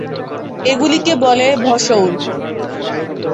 এগুলিকে বলে ভসৌর।